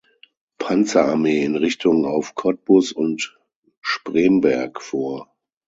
Panzerarmee in Richtung auf Cottbus und Spremberg vor.